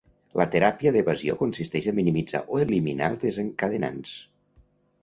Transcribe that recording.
La teràpia d'evasió consisteix a minimitzar o eliminar els desencadenants.